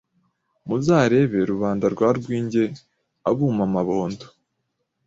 Muzarebe Rubanda rwa Rwingwe Abuma amabondo